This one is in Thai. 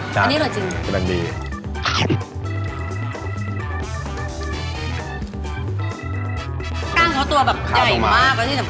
กล้างข้อตัวแบบใหญ่มากแล้วที่สำคัญนะฮะ